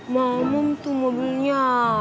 mamam tuh mobilnya